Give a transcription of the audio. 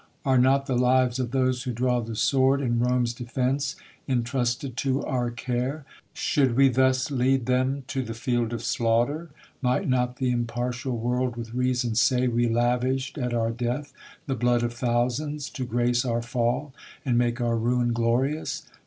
Are not the lives of those who draw the sword In Rome's defence intrusted to our care ? Should we thus lead them to the field of slaughter, Might not th' impartial world with reason say. We lavish'd at our death the blood of thousands, To grace our fall, and make our ruin glorious